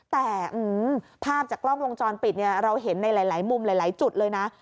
แต่ภาพจากกล้องวงจรปิดเนี่ยเราเห็นในหลายมุมหลายจุดเลยนะ